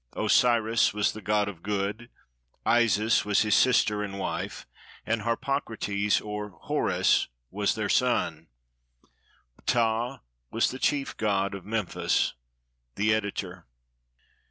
Osiris was the god of good; Isis was his sister and wife, and Harpocrates or Horus was their son. Ptah was the chief god of Memphis. The Editor.